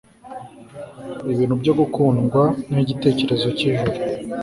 ibintu byo gukundwa nkigitekerezo cyijuru